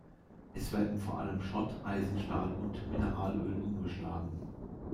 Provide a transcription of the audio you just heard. Es werden vor allem Schrott, Eisen, Stahl und Mineralöl umgeschlagen.